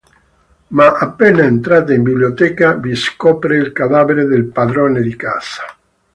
Ma, appena entrata in biblioteca, vi scopre il cadavere del padrone di casa.